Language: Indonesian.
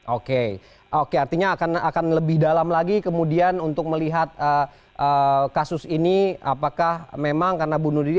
oke oke artinya akan lebih dalam lagi kemudian untuk melihat kasus ini apakah memang karena bunuh diri